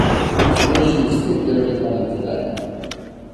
This solution is still very common today.